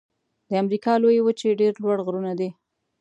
د امریکا لویې وچې ډېر لوړ غرونه دي.